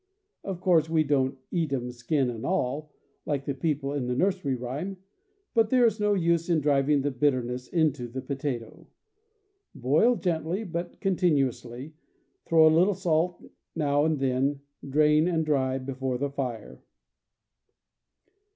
Of course we don't "eat 'em skin and all," like the people in the nursery rhyme; but there is no use in driving the bit terness into a potato. Boil gently, but continuously, throw in a little salt now and then, drain, and dry before the fire.